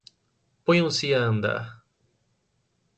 Ponham-se a andar